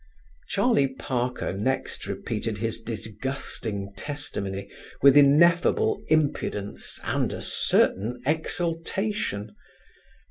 Charlie Parker next repeated his disgusting testimony with ineffable impudence and a certain exultation.